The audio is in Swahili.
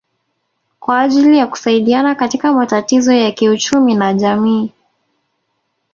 kwa ajili ya kusaidiana katika matatizo ya kiuchumi na kijamii